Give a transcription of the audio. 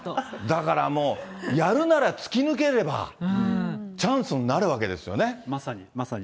だからもう、やるなら突き抜ければ、チャンスになるわけですまさに、まさに。